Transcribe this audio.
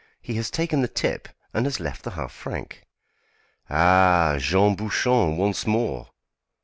He has taken the tip and has left the half franc." "Ah! Jean Bouchon once more!"